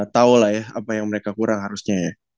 tahu lah ya apa yang mereka kurang harusnya ya